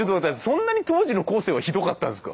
そんなに当時のコーセーはひどかったんですか？